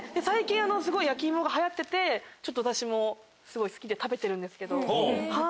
最近すごい焼き芋が流行っててちょっと私もすごい好きで食べてるんですけど。